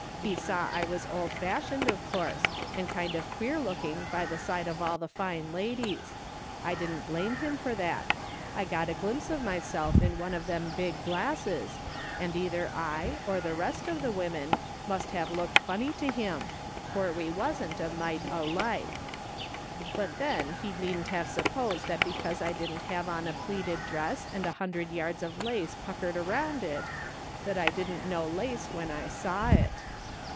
He saw I was old fashioned, of course, and kind of queer looking by the side of all the fine ladies; I didn't blame him for that. I got a glimpse of myself in one of them big glasses, and either I, or the rest of the women, must have looked funny to him, for we wasn't a mite alike. But then he needn't have sup posed that because I didn't have on a pleated dress and a hundred yards of lace puckered around it, that I didn't know lace when I saw it.